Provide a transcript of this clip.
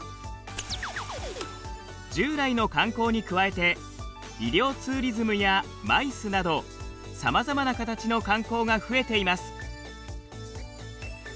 従来の観光に加えて医療ツーリズムやＭＩＣＥなどさまざま形の観光が増えています。